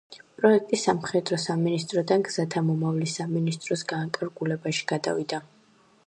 პროექტი სამხედრო სამინისტროდან გზათა მიმოსვლის სამინისტროს განკარგულებაში გადავიდა.